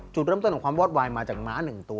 จุดเริ่มต้นของความวอดวายมาจากม้าหนึ่งตัว